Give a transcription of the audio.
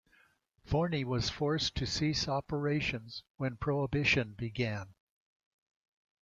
Forni was forced to cease operations when Prohibition began.